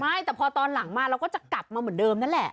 ไม่แต่พอตอนหลังมาเราก็จะกลับมาเหมือนเดิมนั่นแหละ